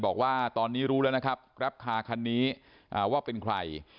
บอกว่าตอนนี้รู้แล้วนะครับแกรปคาคันนี้ว่าเป็นใคร